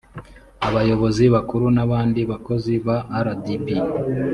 abayobozi bakuru n abandi bakozi ba rdb